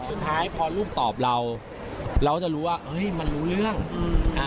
สุดท้ายพอลูกตอบเราเราก็จะรู้ว่าเฮ้ยมันรู้เรื่องอืมอ่า